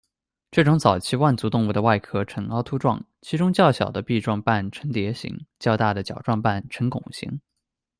这种早期腕足动物的外壳呈凹凸状，其中较小的臂状瓣呈碟形，较大的脚状瓣呈拱形。